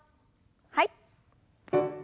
はい。